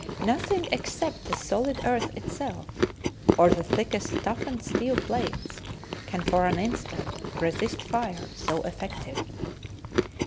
Nothing except the solid earth itself, or the thickest toughened steel plates, can for an instant resist fire so effective.